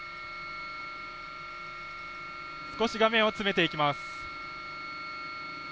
少し画面を詰めていきます。